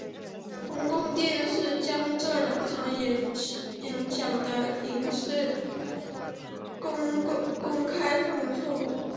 公共电视将这两场演讲的录影公开放送。